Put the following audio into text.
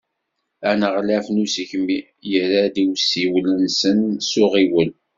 Aneɣlaf n usegmi, yerra-d i usiwel-nsen s uɣiwel.